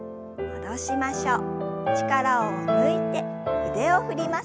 戻しましょう。